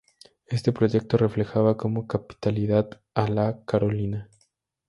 Este proyecto reflejaba como capitalidad a La Carolina.